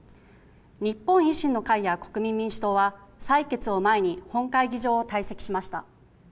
日本維新の会や国民民主党は、採決を前に本会議場を退席しました。